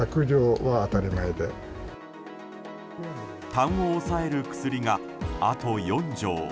たんを抑える薬が、あと４錠。